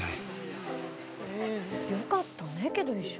「よかったねけど一緒に行って」